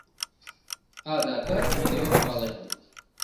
Адакат нигӧ ок пале.